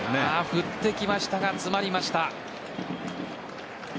振ってきましたが詰まりました。